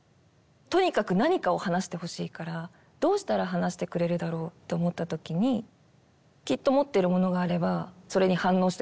とにかく何かを話してほしいからどうしたら話してくれるだろうって思った時にきっと持ってるものがあればそれに反応してくれるだろうって。